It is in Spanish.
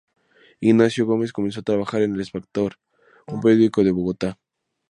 Ignacio Gómez comenzó a trabajar en El Espectador, un periódico de Bogotá.